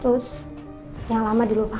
terus yang lama dilupakan